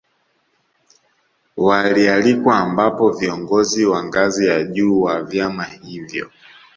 Walialikwa ambapo viongozi wa ngazi ya juu wa vyama hivyo